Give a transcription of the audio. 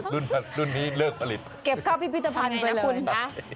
รุ่นนี้เลิกผลิตเก็บเข้าพิพิธภัณฑ์ไปเลยคุณนะ